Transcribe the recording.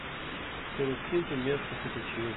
Pelo quinto mês consecutivo